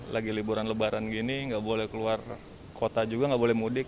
lagi liburan lebaran gini nggak boleh keluar kota juga nggak boleh mudik